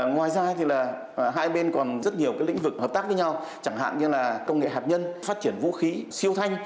ngoài ra hai bên còn rất nhiều lĩnh vực hợp tác với nhau chẳng hạn như công nghệ hạt nhân phát triển vũ khí siêu thanh